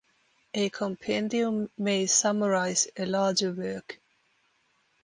A compendium may summarize a larger work.